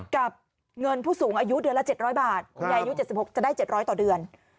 กับเงินผู้สูงอายุเดือนละเจ็ดร้อยบาทคุณยายอายุเจ็ดสิบหกจะได้เจ็ดร้อยต่อเดือน